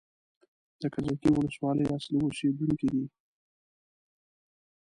د کجکي ولسوالۍ اصلي اوسېدونکی دی.